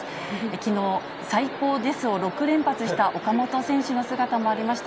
きのう、最高ですを６連発した岡本選手の姿もありました。